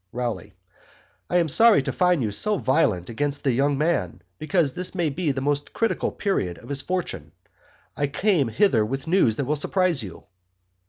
ROWLEY. I am sorry to find you so violent against the young man because this may be the most critical Period of his Fortune. I came hither with news that will surprise you.